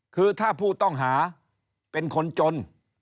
คือถ้าผู้ต้องหาเป็นคนจน